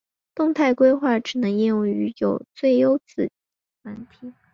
动态规划只能应用于有最优子结构的问题。